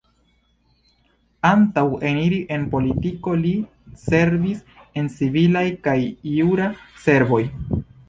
Antaŭ eniri en politiko, li servis en civila kaj jura servoj.